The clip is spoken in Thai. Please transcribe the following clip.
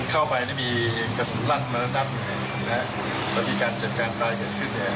เข้าไปมีกระสุนรั่งมาตรับแล้วมีการจัดการตายกันขึ้น